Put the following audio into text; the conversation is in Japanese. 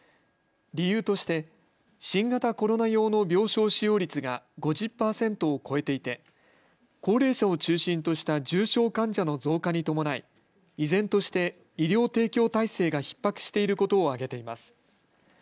理由として新型コロナ用の病床使用率が５０％を超えていて高齢者を中心とした重症患者の増加に伴い依然として医療提供体制がひっ迫していることを挙げています。